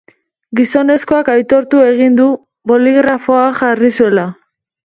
Gizonezkoak aitortu egin du boligrafoa jarri zuela.